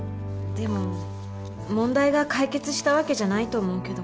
でも問題が解決したわけじゃないと思うけど。